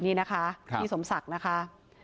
นี่นะคะพี่สมศักดิ์นะคะ